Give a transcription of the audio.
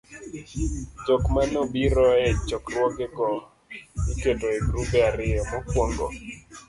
jokmanobiro e chokruogego iketo e grube ariyo: mokuongo